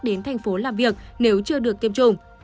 đến thành phố làm việc nếu chưa được tiêm chủng